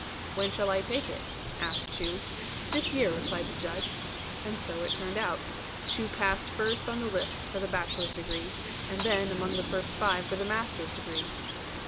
"When shall I take it?" asked Chu. "This year," replied the Judge. And so it turned out. Chu passed first on the list for the bachelor's degree, and then among the first five for the master's degree.